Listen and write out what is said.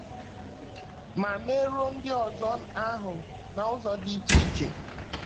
ma merụọ ndị ọzọ ahụ n'ụzọ dị iche iche.